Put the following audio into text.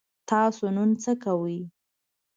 تاسو نن څه کوئ؟